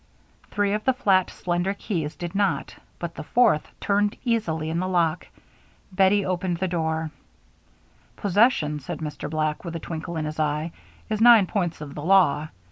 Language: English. Three of the flat, slender keys did not, but the fourth turned easily in the lock. Bettie opened the door. "Possession," said Mr. Black, with a twinkle in his eye, "is nine points of the law.